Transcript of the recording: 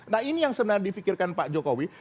nah ini yang sebenarnya difikirkan pak jokowi